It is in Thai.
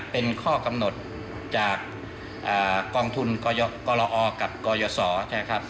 เป็นข้อกำหนดจากกองทุนกรอกับกยศนะครับ